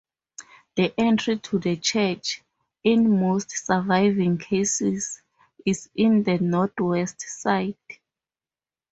The entry to the church, in most surviving cases, is in the northwest side.